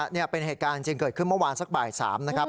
นี่เป็นเหตุการณ์จริงเกิดขึ้นเมื่อวานสักบ่าย๓นะครับ